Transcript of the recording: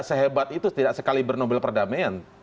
sehebat itu tidak sekaliber nobel perdamaian